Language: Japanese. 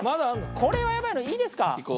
これはやばいのいいですか？